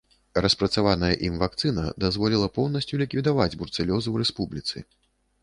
Распрацаваная ім вакцына дазволіла поўнасцю ліквідаваць бруцэлёз у рэспубліцы.